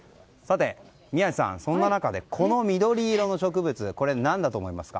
宮司さん、そんな中でこの緑色の植物はこれ、何だと思いますか？